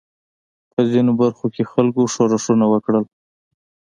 په ځینو برخو کې خلکو ښورښونه وکړل.